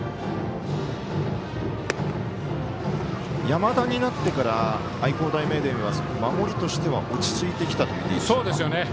山田になってから愛工大名電は守りとしては落ち着いてきたと。